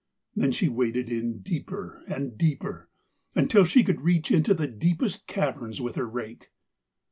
Then she waded in deeper and deeper, until she could reach into the deepest caverns with her rake.